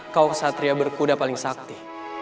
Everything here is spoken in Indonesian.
kau ksatria berkuda paling sakti